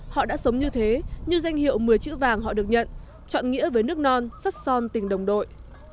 họ đã sống như thế như danh hiệu một mươi chữ vàng họ được nhận chọn nghĩa với nước non sắt son tình đồng đội